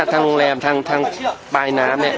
ทางโรงแรมทางปลายน้ำเนี่ย